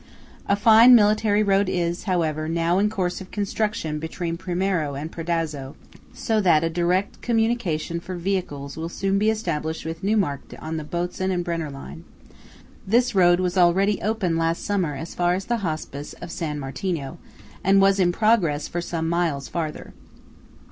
A fine military road is, however, now in course of construction between Primiero and Predazzo, so that a direct communication for vehicles will soon be established with Neumarkt on the Botzen and Brenner line. This road was already open last summer as far as the Hospice of San Martino, and was in progress for some miles farther.